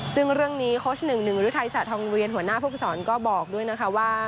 ซึ่งเรื่องนี้โค้ชหนึ่งหนึ่งฤทัยศาสตองเวียนหัวหน้าผู้ฝึกศรก็บอกด้วยนะคะว่า